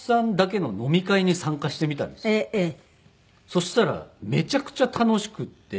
そしたらめちゃくちゃ楽しくて。